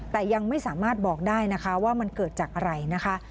แต่ยังไม่สามารถบอกได้นะคะว่ามันเกิดจากอะไรนะคะ